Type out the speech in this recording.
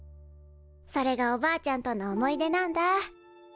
それがおばあちゃんとの思い出なんだ。